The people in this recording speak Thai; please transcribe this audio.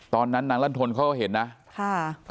ตอนนั้นนางลั่นทนเขาก็เห็นนะค่ะ